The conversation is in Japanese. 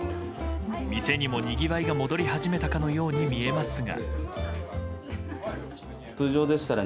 店にも、にぎわいが戻り始めたかのように見えますが。